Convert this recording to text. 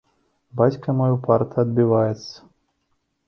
Бацька мой упарта адбіваецца.